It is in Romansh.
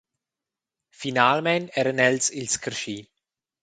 Finalmein eran els ils carschi.